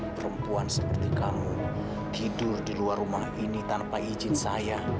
perempuan seperti kamu tidur di luar rumah ini tanpa izin saya